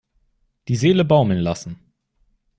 Die Seele baumeln lassen.